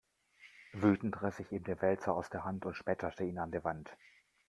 Wütend riss ich ihm den Wälzer aus der Hand und schmetterte ihn an die Wand.